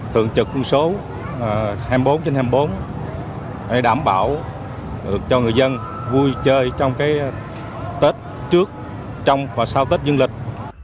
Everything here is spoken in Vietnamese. thường trực quân số hai mươi bốn trên hai mươi bốn để đảm bảo cho người dân vui chơi trong tết trước trong và sau tết dương lịch